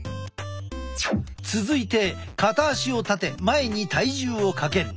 続いて片足を立て前に体重をかける。